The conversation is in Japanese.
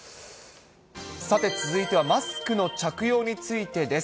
さて続いてはマスクの着用についてです。